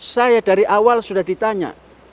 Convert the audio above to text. saya dari awal sudah ditanya